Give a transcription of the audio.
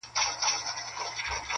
• خو چي څو ورځي څپېړي پر مخ وخوري -